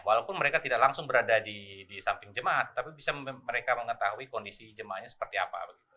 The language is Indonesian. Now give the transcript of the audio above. walaupun mereka tidak langsung berada di samping jemaat tapi bisa mereka mengetahui kondisi jemaahnya seperti apa